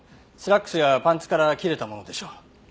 スラックスやパンツから切れたものでしょう。